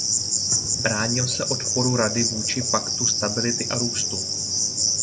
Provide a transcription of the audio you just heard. Bránil se odporu Rady vůči Paktu stability a růstu.